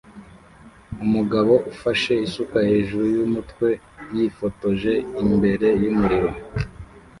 Umugabo ufashe isuka hejuru yumutwe yifotoje imbere yumuriro